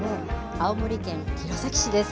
青森県弘前市です。